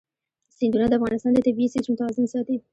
سیندونه د افغانستان د طبعي سیسټم توازن ساتي.